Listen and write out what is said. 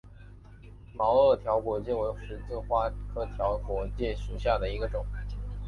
毛萼条果芥为十字花科条果芥属下的一个种。